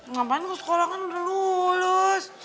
ngapain kok sekolah kan udah lulus